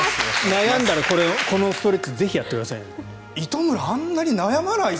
悩んだら、このストレッチぜひやってください。